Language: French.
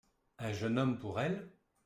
Un jeune homme pour elle ?